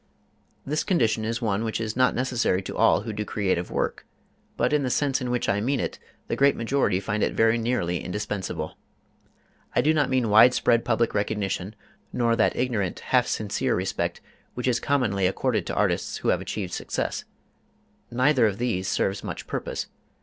This condition is one which is not necessary to all who do creative work, but in the sense in which I mean it the great majority find it very nearly indispensable. I do not mean widespread public recognition, nor that ignorant, half sincere respect which is commonly accorded to artists who have achieved success. Neither of these serves much purpose.